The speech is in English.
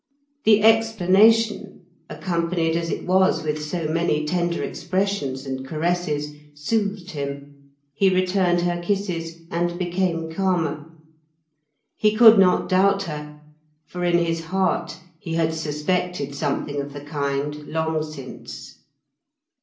The explanation, accompanied as it was with so many tender expressions and caresses, soothed him; he returned her kisses and became calmer. He could not doubt her, for in his heart he had suspected something of the kind long since.